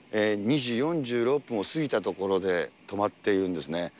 ２時４６分を過ぎたところで止まっているんですね。